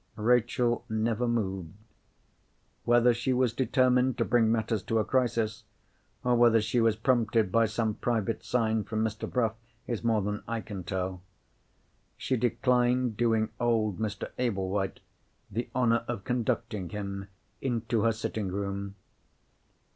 Rachel never moved. Whether she was determined to bring matters to a crisis, or whether she was prompted by some private sign from Mr. Bruff, is more than I can tell. She declined doing old Mr. Ablewhite the honour of conducting him into her sitting room.